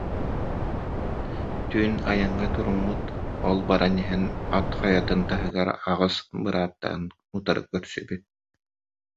Түүн айаҥҥа туруммут, ол баран иһэн Ат Хайатын таһыгар аҕыс бырааттарын утары көрсүбүт